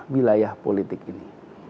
bilayah politik ini